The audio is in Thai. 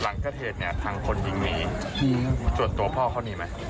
หลังกระเทศท่างคนยิงหนีส่วนตัวพ่อเข้านี่ไหม